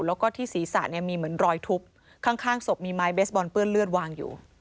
แล้วก็ที่ศีรษะเนี่ยมีเหมือนรอยทุบข้างศพมีไม้เบสบอลเปื้อนเลือดวางอยู่